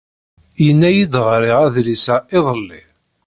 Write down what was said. Yenna-iyi-d ɣriɣ adlis-a iḍelli.